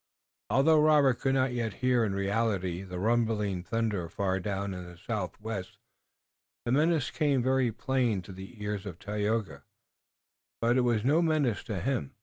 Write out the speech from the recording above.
Although Robert could not yet hear in reality the rumbling thunder far down in the southwest, the menace came very plainly to the ears of Tayoga, but it was no menace to him.